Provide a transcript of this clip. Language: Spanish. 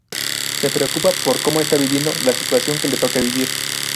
Se preocupa por cómo está viviendo la situación que le toca vivir.